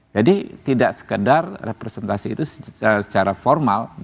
jadi tidak sekedar representasi itu secara formal